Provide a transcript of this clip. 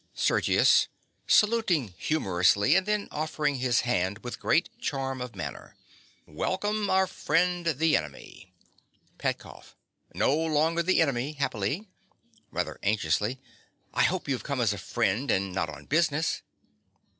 SERGIUS. (saluting humorously, and then offering his hand with great charm of manner). Welcome, our friend the enemy! PETKOFF. No longer the enemy, happily. (Rather anxiously.) I hope you've come as a friend, and not on business.